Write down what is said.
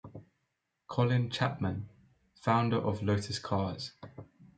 Colin Chapman, founder of Lotus Cars.